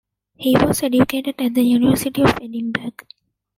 He was educated at the University of Edinburgh.